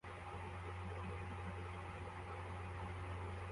Umupadiri mukuru w'Ubushinwa hamwe nabana be imbere yinzu ye yimbaho